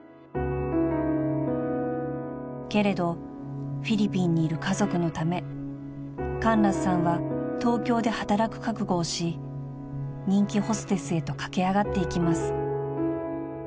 ［けれどフィリピンにいる家族のためカンラスさんは東京で働く覚悟をし人気ホステスへと駆け上がっていきます］